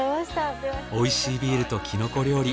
おいしいビールとキノコ料理